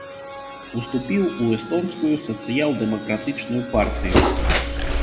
Уступіў у эстонскую сацыял-дэмакратычную партыю.